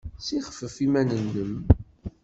Ssixfef iman-nnem!